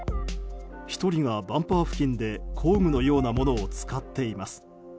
１人がバンパー付近で工具のようなものを使っています。